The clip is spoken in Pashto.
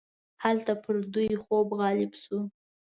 هلته پر دوی خوب غالب شو.